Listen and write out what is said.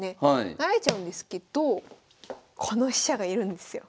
成られちゃうんですけどこの飛車がいるんですよ。